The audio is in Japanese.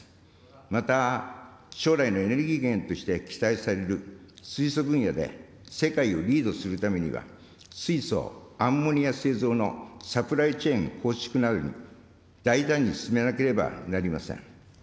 また、将来のエネルギー源として期待される水素分野で世界をリードするためには、水素・アンモニア製造のサプライチェーン構築などを大胆に進めなければなりません。